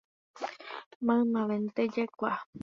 Maymavénte jaikuaa